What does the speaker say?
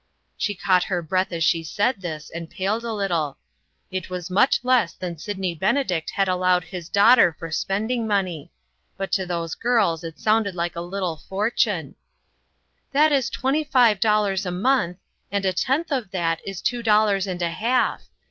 She caught her breath as she said this, and paled a little. It was much less than Sydney Benedict had allowed his daughter "OUR CHURCH," 101 for spending money; but to those girls it sounded like a little fortune. " That is twenty five dollars a month, and a tenth of that is two dollars and a half.